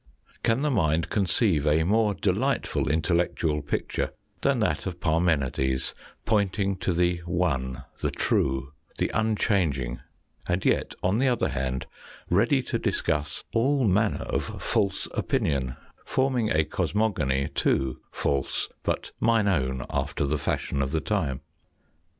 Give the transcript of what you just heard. Can the mind conceive a more delightful intellectual picture than that of Parmenides, pointing to the one, the true, the unchanging, and yet on the other hand ready to discuss all manner of false opinion, forming a cosmogony too, false " but mine own " after the fashion of the time